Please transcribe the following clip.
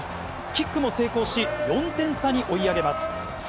キックも成功し、４点差に追い上げます。